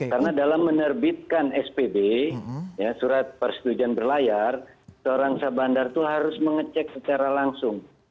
karena dalam menerbitkan spb surat persetujuan berlayar seorang sabandar itu harus mengecek secara langsung